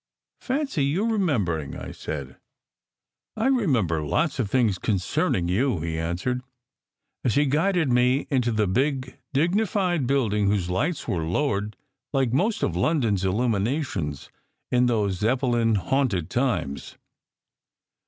"Fancy your remembering!" I said. "I remember lots of things concerning you," he answered, as he guided me into the big, dignified building whose lights were lowered like most of London s illuminations in these Zeppelin haunted times.